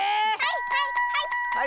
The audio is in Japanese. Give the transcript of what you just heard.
はいはいはい！